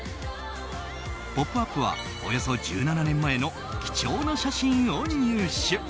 「ポップＵＰ！」はおよそ１７年前の貴重な写真を入手。